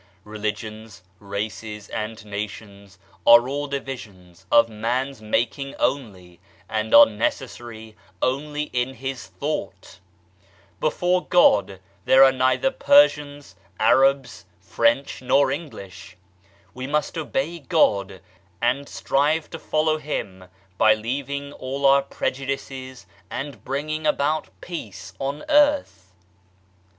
Religions, Races, and Nations are all divisions of man's making only, and are necessary only in his thought ; before God there are neither Persians, Arabs, French nor English ; God is God for all, and to Him all creation is one. We must obey God, and strive to follow Him by leaving all our prejudices and bring ing about peace on earth.